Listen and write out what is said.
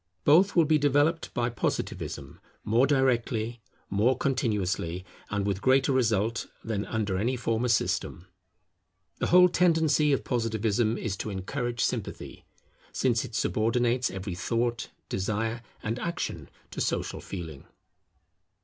Both will be developed by Positivism, more directly, more continuously, and with greater result, than under any former system. The whole tendency of Positivism is to encourage sympathy; since it subordinates every thought, desire, and action to social feeling.